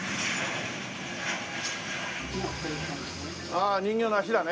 ああ人形の足だね。